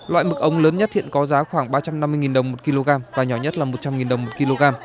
loại mực ống lớn nhất hiện có giá khoảng ba trăm năm mươi đồng một kg và nhỏ nhất là một trăm linh đồng một kg